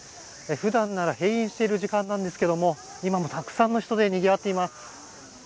ふだんなら閉園している時間なんですけど今もたくさんの人でにぎわっています。